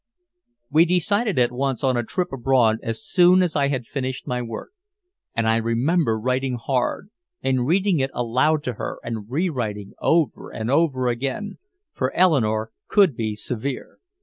We decided at once on a trip abroad as soon as I had finished my work. And I remember writing hard, and reading it aloud to her and rewriting over and over again, for Eleanore could be severe.